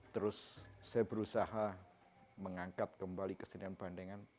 terus saya berusaha mengangkat kembali kesenian bandengan